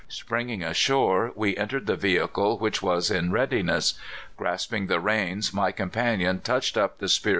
Springing ashore, w^e en tered the vehicle which was in readiness. Grasp ing the reins, my companion touched up the spir AT THE END.